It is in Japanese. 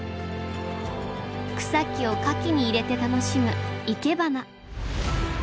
草木を花器に入れて楽しむいけばな。